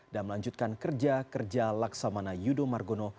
dan melanjutkan kerja kerja laksamana yudo margono